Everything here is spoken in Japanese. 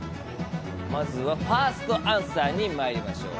まずはファーストアンサーにまいりましょう。